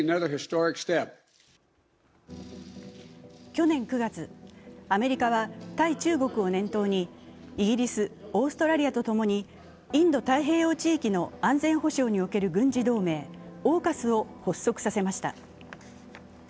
去年９月、アメリカは対中国を念頭にイギリス、オーストラリアとともにインド太平洋地域の安全保障における軍事同盟、ＡＵＫＵＳを発足させました。